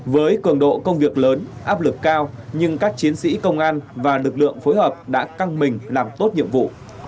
với cường độ công việc lớn áp lực cao nhưng các chiến sĩ công an và lực lượng phối hợp đã căng mình làm tốt nhiệm vụ